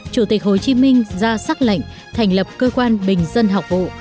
chủ tịch hồ chí minh ra xác lệnh thành lập cơ quan bình dân học vụ